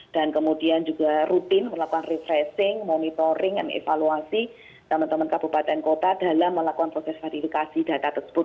dan kemudian juga rutin melakukan refreshing monitoring evaluasi teman teman kabupaten kota dalam melakukan proses verifikasi data tersebut